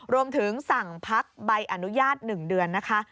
รวมถึงสั่งพักใบอนุญาต๑เดือนนะคะ